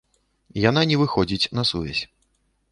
Яна не выходзіць на сувязь.